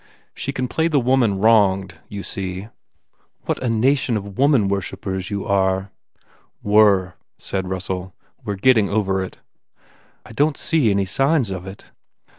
She can play the woman wronged, you see?" "What a nation of woman worshippers you are!" "Were," said Russell, "We re getting over it." "I don t see any signs of it."